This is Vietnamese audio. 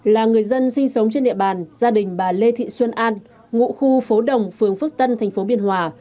là người dân sinh sống trên địa bàn gia đình bà lê thị xuân an ngụ khu phố đồng phường phước tân thành phố biên hòa